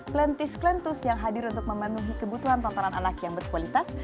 klentus klentus yang hadir untuk memenuhi kebutuhan tontonan anak yang berkualitas